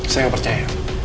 saya gak percaya